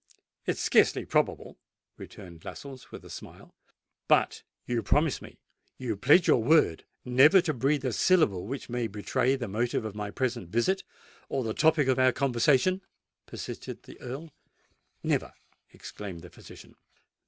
"It is scarcely probable," returned Lascelles, with a smile. "But you promise me—you pledge your word never to breathe a syllable which may betray the motive of my present visit or the topic of our conversation?" persisted the Earl. "Never," exclaimed the physician.